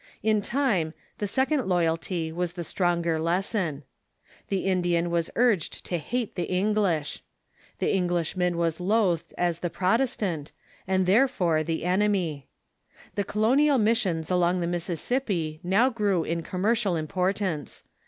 In time the second loyalty was the stronger lesson. The Indian was urged to hate the English. The Eng lishman was loathed as the Protestant, and therefore the ene my. The colonial missions along thfe Mississippi now grew in commercial importance.